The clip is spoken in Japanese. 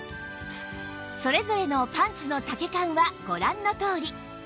それぞれのパンツの丈感はご覧のとおり